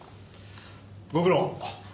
ご苦労。